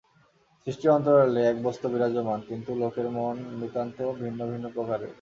সৃষ্টির অন্তরালে এক বস্তু বিরাজমান, কিন্তু লোকের মন নিতান্ত ভিন্ন ভিন্ন প্রকারের।